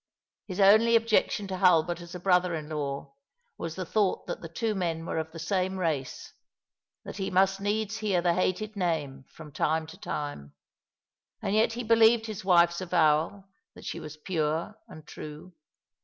His only objection to Hulbert as a brother in law was the thought that the two men were of the same race — that he must needs hear the hated name from time to time ; and yet he believed his wife's avowal that she was pure and true.